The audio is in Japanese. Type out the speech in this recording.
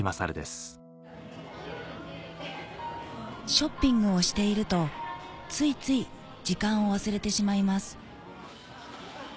ショッピングをしているとついつい時間を忘れてしまいます